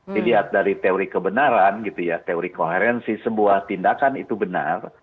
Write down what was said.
dilihat dari teori kebenaran gitu ya teori koherensi sebuah tindakan itu benar